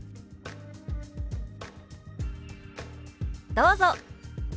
どうぞ！